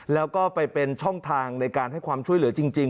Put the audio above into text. แล้วก็ไปเป็นช่องทางในการให้ความช่วยเหลือจริง